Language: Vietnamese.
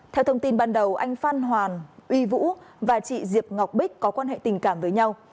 theo thông tin ban đầu anh phan hoàn uy vũ và chị diệp ngọc bích có quan hệ tình cảm với nhau